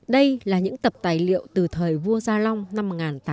đây là những tập tài liệu từ thời vua gia long năm một nghìn tám trăm linh hai